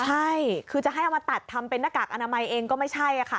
ใช่คือจะให้เอามาตัดทำเป็นหน้ากากอนามัยเองก็ไม่ใช่ค่ะ